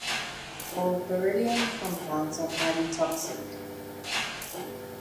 All beryllium compounds are highly toxic.